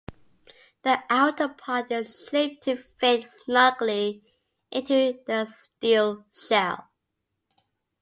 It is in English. The outer part is shaped to fit snugly into the steel shell.